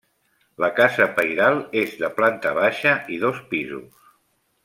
La casa pairal és de planta baixa i dos pisos.